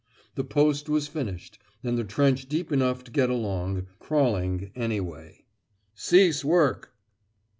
The post was finished, and the trench deep enough to get along, crawling anyway. "Cease work."